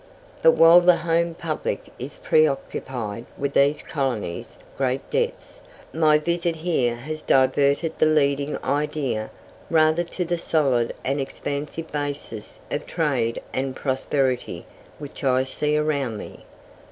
But while the Home public is preoccupied with these colonies' great debts, my visit here has diverted the leading idea rather to the solid and expansive basis of trade and prosperity which I see around me.